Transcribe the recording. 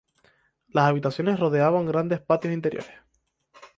Las habitaciones rodeaban grandes patios interiores.